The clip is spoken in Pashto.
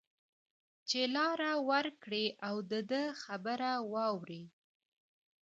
چې لار ورکړی او د ده خبره واوري